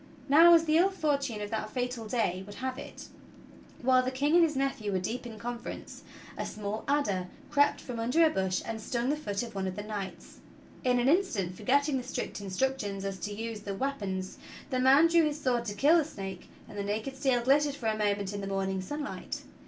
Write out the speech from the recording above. Now, as the ill fortune of that fatal day would have it, while the King and his nephew were deep in conference, a small adder crept from under a bush and stung the foot of one of the knights. In an instant, forgetting the strict instructions as to the use of wea pons, the man drew his sword to kill the snake, and the naked steel glittered for a moment in the morning sunlight.